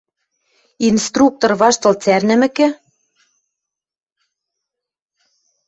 Инструктор ваштыл цӓрнӹмӹкӹ.